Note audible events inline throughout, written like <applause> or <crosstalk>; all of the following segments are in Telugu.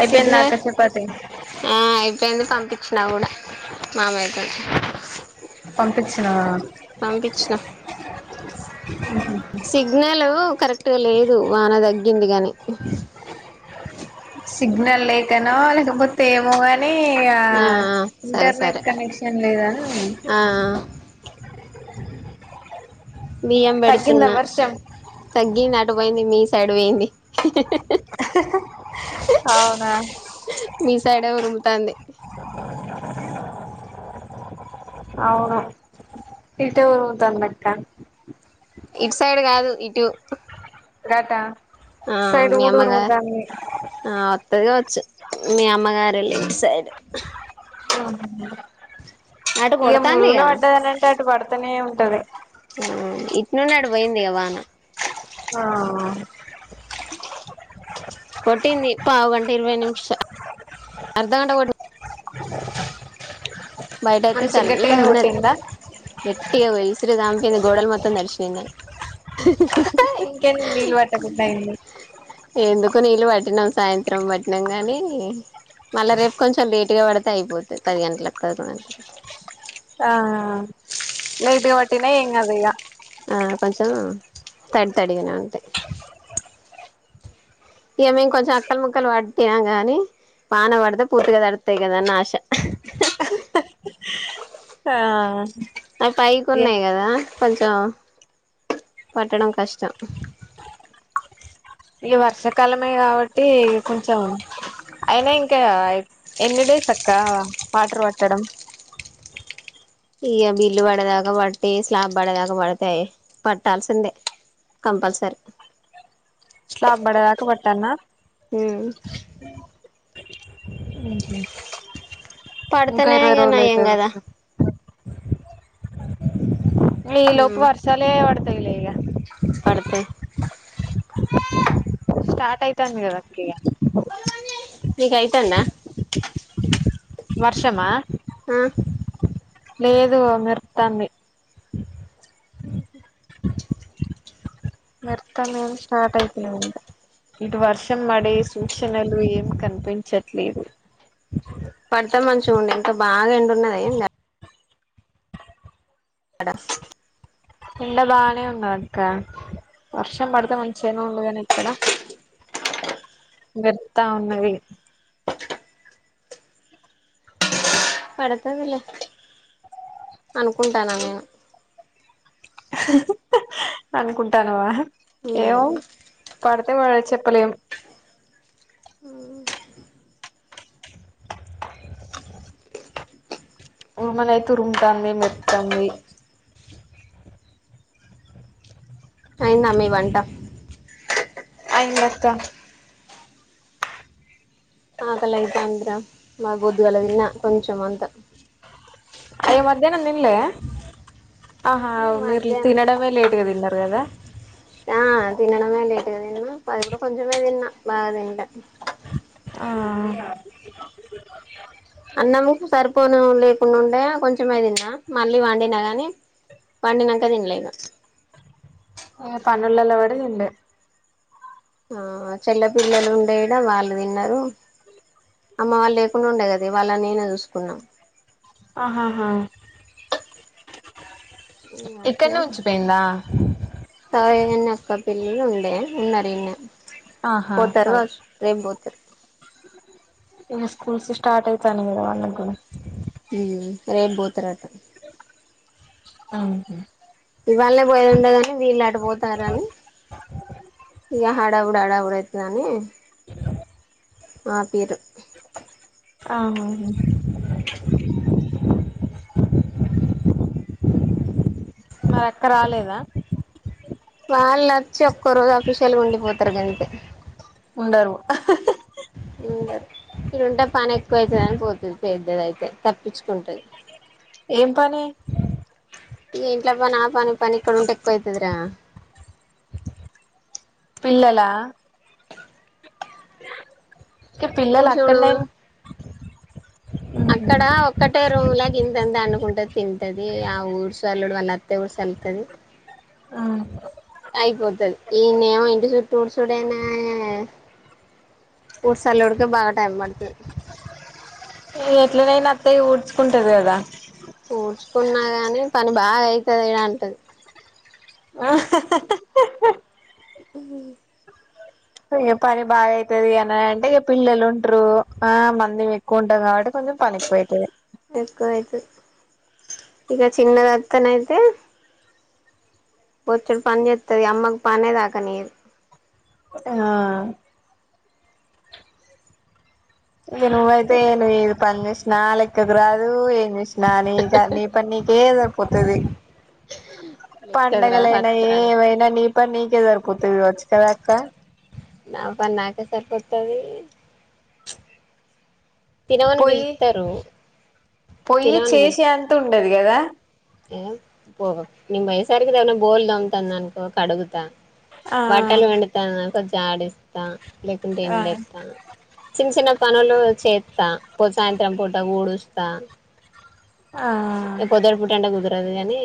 అయిపోయింది అక్క సిగ్నల్ చపాతి ఆహ్ అయిపోయింది పంపించినా కూడా మామయ్య కి. పంపించినవ. సిగ్నలు. కరెక్ట్గా లేదు వాన తగ్గిందిగాని. సిగ్నల్ లేకనో లేకపోతే ఏమో గాని. ఇగ ఆ సరే ఇంటర్నెట్ సరే కనెక్షన్ లేదను. ఆ బియ్యం పెడుతున్న తగ్గిందా వర్షం తగ్గింది అటుపోయింది మీ సైడ్ పోయింది. ఆహ్ అవునా. సాడవుడి ఉంటుంది. అవును ఇటు ఊరుముతుంది అక్క. ఇటు సైడ్ కాదు ఇటు. రాటా. ఆహ్ మీ అమ్మగాదు ఆహ్ వత్తది కావచ్చు. మీ అమ్మగారేలే సరే. ఉమ్ ఇక ములుగులో కొడతాందిగా పడ్డదనింటే అటు పడుతనే ఉంటది. ఆహ్ ఇట్ నున్నాడు అటు పోయింది కదా వాన. ఆహ్. కొటింది పావు గంట ఇరవై నిమిషాలు అర్ధగంట కొట్టింది. బయట అయితే మంచి చల్ల గట్టిగానే ఉన్నది కొట్టిందా గట్టిగా పొయి ఇసురు దాం. గోడల మొత్తం తడిసినవి నావి. ఇంకేం నీళ్ళు పెట్టకుండా అయ్యింది. కొన్ని నీళ్ళు పట్టినాం సాయంత్రం పట్టినాం గానీ. మళ్ళా రేపు కొంచెం లేటుగా పడితే అయిపోతది పది గంటలకు పదకొండు గంటలకు. ఆహ్ లైటుగ పట్టిన ఏం కాదు ఇగ. ఆహ్ కొంచెం తడి తడిగనే ఉంటయ్. ఇగ మేం కొంచెం అక్కలు ముక్కలు పట్టినం గానీ వాన పడితే పూర్తిగ తడుతయ్ గదన్న ఆశ. ఆ అవి పైకున్నయ్ ఈ కదా. కొంచెం పట్టడం కష్టం. ఇగ వర్షాకాలమే కాబట్టి కొంచెం అయినా ఇంకా. ఎన్ని డేస్ అక్క వాటర్ పట్టడం ఇగ బిల్ పడేదాక పట్టి స్లాబ్ పడేదాక పడతే పట్టాల్సిందే కంపల్సరీ స్లాబ్ పడేదాకా పట్టాలనా ఉమ్ ఉహు ఇంకా పడతనే ఇరవై ఇగ రోజులు నయం అయితది కదా కావచ్చు ఈ లోపు ఉమ్ వర్షాలే పడతాయిలే ఇగ పడతాయి స్టార్ట్ అయితాంది కదా అక్క ఇగ మీకైతుందా వర్షమా ఆ అ లేదు మెరుతాంది మెరుతాంది కదా స్టార్ట్ అయితనే ఉంది ఇటు వర్షం పడే సూచనలు ఏం కనిపించట్లేదు పడితే మంచిగుండు ఎంత బాగా ఎండున్నది ఇంగ ఆడ ఎండ బాగానే ఉన్నది అక్క వర్షం పడితే మంచిగనే ఉండదు గానీ ఎక్కడ మెరుత్త ఉన్నది పడతదిలే అనుకుంటానా నేను హు హు హు అనుకుంటానావా ఏమో ఉమ్ పడ్ తే పడొచ్చు చెప్పలేం ఉరుములైతే ఉరుముతాన్నాయ్ మెరుతాంది అయిందా మీ వంట అయింది అక్క ఆకలయితాందిరా మా పొద్దుగాల తిన్న కొంచం అంతా అయ్యో మధ్యాహ్నం తిన్లే ఆహా మీరు మధ్యాహ్నం తినడమే లేట్గా తిన్న గద ఆ తినడమే లేట్గా తిన్నా అది కూడా కొంచమే తిన్నా బాగా తినలే ఆ పోను లేకుండా ఉండ కొంచమే తిన్న మళ్ళీ వండినా గాని పండినంక తినలే ఇగ ఆ పనులలో పడి తిన్లే ఆ చెల్లపిల్లలు ఉండే ఇడా వాళ్ళు తిన్నరు అమ్మ వాళ్ళు లేకుండె ఉండే కదా ఇవాళ నేనే చూసుకున్నా ఆహా హా ఉమ్ అభ్య చదివిన ఎక్కదు పిల్లలు ఉండే ఉన్నారు ఇడన్నే ఆహా పోతారు కావచ్చు రేపు పోతరు ఇంగా స్కూల్స్ స్టార్ట్ అయితానయ్ కదా వాళ్ళకి కూడా ఉమ్ రేపు పోతారట అహం ఇవాళనే పోయేది ఉండే గాని వీళ్లు అట్టు పోతారు అని ఇక హడావిడి హడావిడి అయితదని ఆపేరు ఆ అ <inaudible> మరి అక్క రాలేదా వాళ్ళు వచ్చి ఒక్కో రోజు అఫీషల్గా ఉండిపోతారు కంటే ఉండారు ఇడుంటే పని ఎక్కువవుతుందిని పోతుంది పెద్దది అయితే తప్పించుకుంటది ఏం పని ఈ ఇంట్ల ప నా పని పనిక్కడు ఉంటె ఎక్కువ పోయితదరా పిల్లలా ఇక ఊడు పిల్లలు చూడు అక్కడనే అక్కడ ఒక్కటే రూలా క ఇంతంత అండుకుంటది తింటది ఆ ఊరు సల్లుడు వాళ్ళ అతే ఊరు సెల్తది ఆ అయిపోతుది ఇనేమో ఇంటి చుట్టూ ఉచూడనా ఊరుసలడుకు బాగా టైమ్ పడుతది ఎట్లనైనా అత్తయ్య ఊడ్చుకుంటది కదా కున్నా గాని పని బాగా అవుతుంది ఇడ అంటది ఆ <inaudible> ఇక పని బాగాయితుది అని అంటే ఇక పిల్లలు ఉంటారు ఆ మంది ఎక్కువ ఉంటాం కాబట్టి కొంచెం పని ఎక్కువైతది ఎక్కువైతు ఇక చిన్నదిత్తన అయితే పోచ్చడు పని చేస్తుది అమ్మకి పనే దాకా నియదు ఆ ఇది నువ్వ అయితే ఏళ ఏదు పంద నా లెక్కకు రాదు ఏం చేసినా నీ నీ పని నీకే సరిపోతుది <inaudible> రాదు పండగలయినా పత్రానికి ఏమైనా నీ పని నీకే సరిపోతుంది వచ్చు కదా అక్క నా పని నాకే సార్పోతవి దినవన్ పొయ్యి విల్తారు పొయ్యి చేసే అంత ఉండది కదా ఏ పో నిమ్ వయసారికి దవన బోల్దు అంతంద అనీకో కడుగుతా ఆ బట్టలు పిండుతానుకొ జడిస్తా లేకుంటే ఆ ఎండేత్త చిన్న చిన్న పనులు చేస్తా ప్పు సాయంత్రం పూట ఊడుస్తా ఆ కాని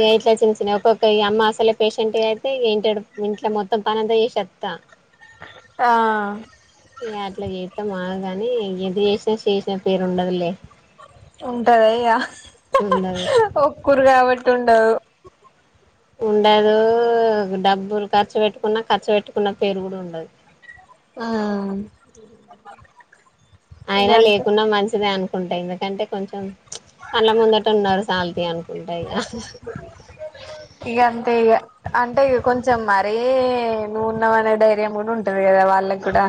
ఇ ఇట్లా చిన్న చిన్న ఒ ఈ అమ్మ అసలే పేషెంట్ అయితే ఏంట ఇంట్లో మొత్తం పనిదయ్య చెశోత్తా ఆ ఇగ అట్లా చెత్త మాగ కానీ ఎంత చేేసినా శేషిన పేరుండదలే ఉంటదయ్యా ఉండదు ఒక్కరు కాబట్టి ఉండదు ఉండదు డబ్బులు ఖర్చు పెట్టుకున్న ఖర్చు పెట్టుకున్న పేరు కూడా ఉండదు ఆ <inaudible> ఇగ అయినా అంతే లేకున్నా మంచిదే అనుకుంటా ఇగ ఎందుకంటే కొంచెం కళ్ళ ముందట ఉన్నారు చాలత అనుకుంటా ఇ ఇగ అంతే ఇగ అంటే ఇ కొంచెం మరీ నూఉన్నావ్ అనే డైర్యం కూడా ఉంటుది కదా వా అల్ల కూడాడా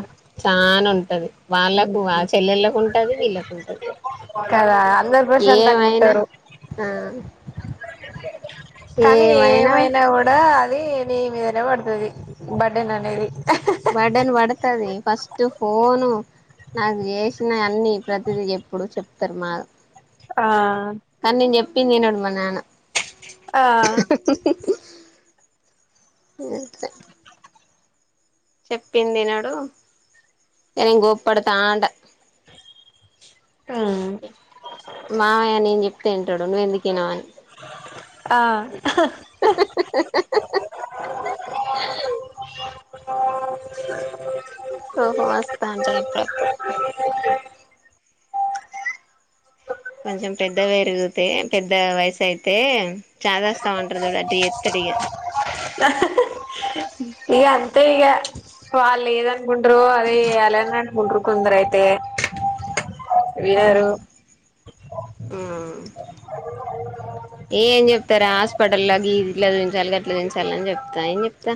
వాళ్ళలకు ఆ చెల్లెళలకు ఉంటది వీళ్ళకు ఉంటది కదా అందరు ప్రశాంతంగా ఏమైనా ఉంటారు ఆ కానీ ఏమైనా కూడా అది నీ మీదనే పడుతుంది బర్డెన్ అనేది వడన్ పడతది ఫస్ట్ ఫోను నాకు చేసిన అన్నిీ ప్రతిద ఎప్పుడు చెప్తారు మాకు ఆ కానీ నేను చెప్పింది తనుోడు మా నాన్న ఆ ఇం తె చెప్పింది వినాడు నం గోప్పడుతా ఆంట ఉమ్ మామయ్య నను చెప్తేంటాడు నువ్్వెందుకున్నావని ఆ అంది హో మస్తా అంట అప్పుడు కొంచం పెద్ద పెరుగితే పెద్ద వయసు అయితే జదాస్తా వంట్రద కూడా అది ఎత్తడిగా ఈక అంతే ఈక వాళ్ళ ఏద అన్కుంటు అదే అలంద అన్కుంట్ర కుందరు అయితే వినరు ఉమ్ఆ ఏ ఏం చెప్తారా హాస్పిటల్ల్లోకి ఇట్లా చూించాలి అట్లా చూించాలి అని చెప్తా ఏం చెప్తా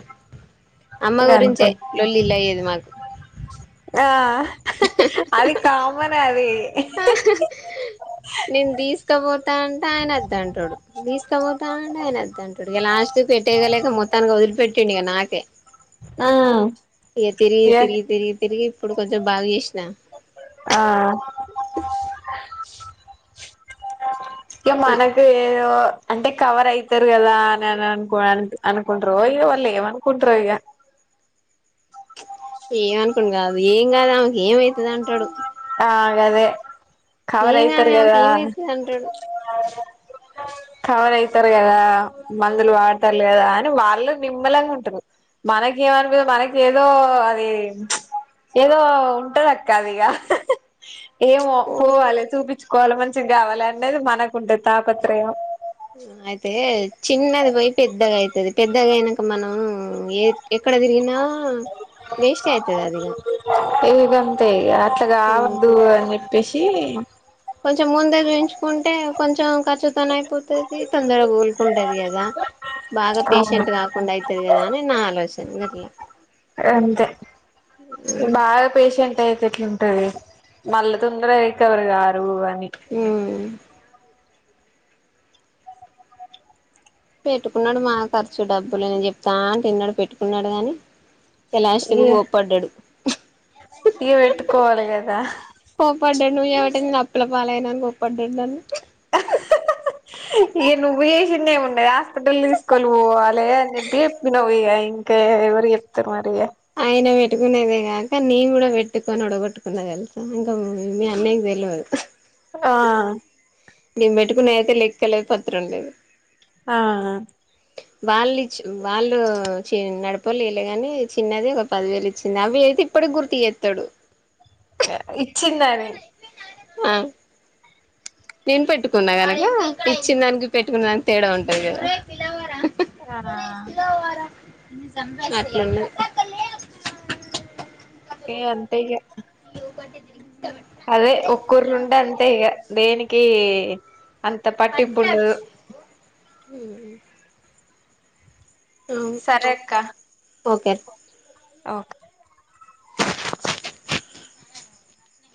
అమ్మ గంతే గురించే లొల్లిల్ల అయ్యేది మాకు ఆ అది కామన్ అది ఆ నేను తీసుకపోతా అంటే ఆయన వద్ద అంటాడు తీసుకపోతా అంటే ఆయన వద్దంటాడు ఇక లాస్ట్ పెట్టేయలేక మొత్తానికి వదిలిపెట్టి డి ఇ నాకే ఉమ్ ఇక తిరిగి ఏ తిరిగి తిరిగి తిరిగి ఇప్పుడు కొంచెం బాగా చేసిన ఆ ఇ మనకు ఏ అంటే కవర్ అయితారు కదా అని అని అనుకో అనుకుంట్ర ఇక వాళ్ళు ఏమనుకుంట్ర ఇక ఏమనుకోం కాదు ఏం కాదు ఆమెకు ఏమవుతుంది అంటాడు ఆదే కవర్ ఏం కాదు అయితారు ఆమెకి కదా ఏమైతది అంటాడు కవన్ అయితారు కదా మందులు వాడతారు కదా అని వాళ్ళు నిమ్మలాంగా ఉంటారు మనక ఏమనిపిద మనకి ఏదో అది ఏదో ఉంటారు అక్కదీగ ఏమో ఓ పోవాలి చూపించుకోవాలి మంచిగా కావాలి అనేది మనకుంటేది తాపత్రయం అయితే చిన్నది బై ప పెద్దగయితే అది పెద్దగా అనాక మనం ఏ ఎక్కడ తిరిగిన ఏవిదంతెఇ అట్లాగా ఆవద్దు అని చెప్పేసి ఏ కొంచెం ముందగా చంచుకుంటే కొంచెం ఖర్చుతన అయిపోతది తొందరగా కోలుకుంటది కదా బాగా అవును పేషెంట్ కాకుండా అయితంది కదా అని నా ఆలోచన గట్లా అంతే బాగా పేషెంట్ అట్లా అయితే ఎట్లుంటది మళ్ళీ తొందర అయితే ఎవరు గారు అని అమ్ పెట్టుకున్నాడు మా ఖర్చు డబ్బులను చెప్తా అని తిన్నాడు పెట్టుకున్నాడు కాని ఇక లాస్ట్ కు కోప్పడ్డాడు ఇక పెట్టుకోవాలి కదా పడ్డాడు నువ్వు ఏవటి నేను అప్పల పాలు అయ్యాను అని కోప్పడ్డాడు నను ఇక నువ్వు చేసింది ఏమిండదు హాస్పిటల్ తీసుకువెళ్లి పోవాలి అని చెప్పి చెప్పిన్నావ్ ఇక ఇం కే ఎవరి చెప్తురు మరి ఇగ ఆయన పెట్టుకునేదే కాక నీయి కూడా పెట్టుకొని ఉడగొట్టుకున్నా తెలుసా ఇంకా మీ అన్నయ్య తెలవదు ఆ నేను పెట్టుకున్నా అయితే లెక్కలేదు పత్రం లేదు ఆ వాళ్ళు ఇచ్చ వాళ్ళు నడపలే లేదులే కాని చిన్నది ఒక పదివేలు ఇచ్చింది అవి అయితే ఇప్పటికి గుర్తు చేస్తాడు ఇచ్చిందని ఆ నేను పెట్టుకున్నా గనక ఇచ్చిన దానికి పెట్టుకున్న దానికి తేడా ఉంటది కదా రానా నాకు ఈ ఉన్నాయి ఏ అంతేగా అదే ఒక్కిరులుంటే అంతే ఇక దేనికి అంత పట్టింపు ఉండదు హమ్ సరే అక్క ఓకే ఓకే